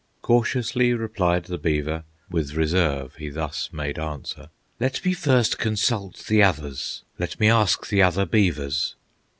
Cautiously replied the beaver, With reserve he thus made answer: "Let me first consult the others, Let me ask the other beavers."